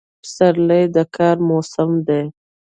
پسرلی د کار موسم دی.